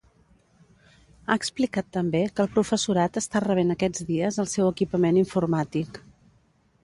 Ha explicat també que el professorat està rebent aquests dies el seu equipament informàtic.